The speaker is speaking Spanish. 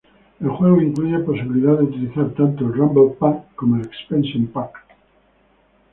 El juego incluye posibilidad de utilizar tanto el Rumble Pak como el Expansion Pak.